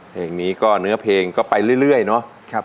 เพลงนี้ก็เนื้อเพลงก็ไปเรื่อยเนาะ